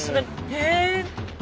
へえ。